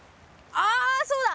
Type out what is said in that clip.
あそうだ！